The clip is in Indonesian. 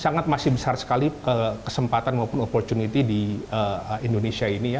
sangat masih besar sekali kesempatan maupun opportunity di indonesia ini ya